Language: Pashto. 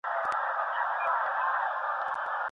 تر څو خاوند او ميرمن له بدمرغيو څخه وژغورل سي.